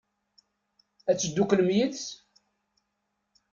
Ad tedduklem yid-s?